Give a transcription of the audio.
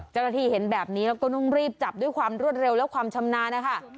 เจ้าหน้าที่เห็นแบบนี้แล้วก็ต้องรีบจับด้วยความรวดเร็วและความชำนาญนะคะ